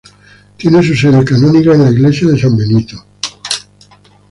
Tiene su sede canónica en la iglesia de San Benito.